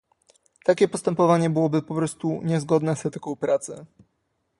Takie postępowanie byłoby po prostu niezgodne z etyką pracy